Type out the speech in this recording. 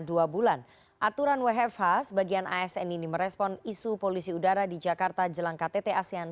dua bulan aturan wfh sebagian asn ini merespon isu polusi udara di jakarta jelang ktt asean